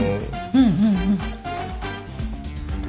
うんうんうん。